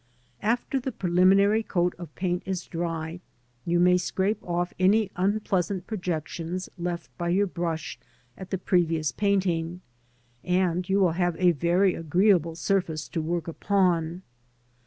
After the preliminary coat of paint is dry, you may scrape off any unpleasant projections left by your brush at the previous painting, and you will have a very agreeable surface to work upon.